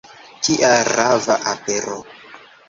Kia rava apero!